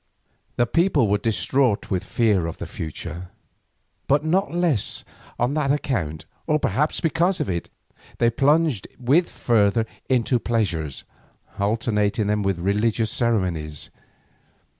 The people were distraught with fear of the future, but not the less on that account, or perhaps because of it, they plunged with fervour into pleasures, alternating them with religious ceremonies.